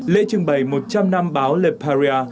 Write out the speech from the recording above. lễ trưng bày một trăm linh năm báo le paris